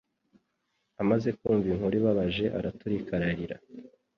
Amaze kumva inkuru ibabaje araturika ararira